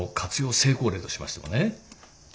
成功例としましてもね。